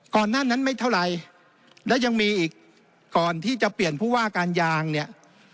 หน้านั้นไม่เท่าไหร่และยังมีอีกก่อนที่จะเปลี่ยนผู้ว่าการยางเนี่ย